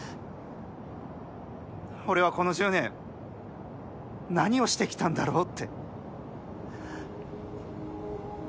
俺は、この１０年何をしてきたんだろうって。